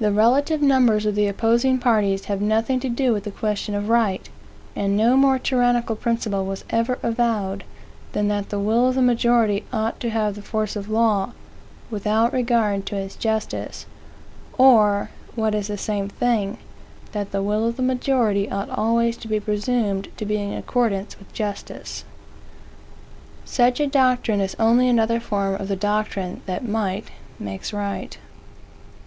The relative numbers of the opposing parties have nothing to do with the question of right. And no more tyrannical principle was ever avowed, than that the will of the majority ought to have the force of law, without regard to its justice; or, what is the same thing, that the will of the majority ought always to be presumed to be in accordance with justice. Such a doctrine is only another form of the doctrine that might makes right.